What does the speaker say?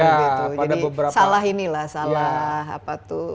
jadi salah inilah salah apa tuh